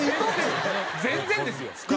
全然ですよ。